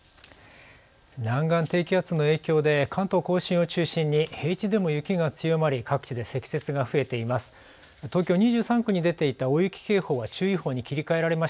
南岸低気圧の影響で関東甲信を中心に平地でも雪が強まり各地で積雪が増えています。